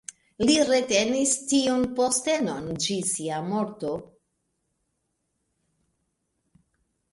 Li retenis tiun postenon ĝis sia morto.